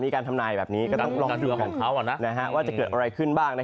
การทำนายแบบนี้ก็ต้องลองดูของเขาว่าจะเกิดอะไรขึ้นบ้าง